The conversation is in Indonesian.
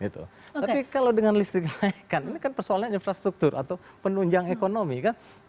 tapi kalau dengan listrik dinaikkan ini kan persoalannya infrastruktur atau penunjang ekonomi kan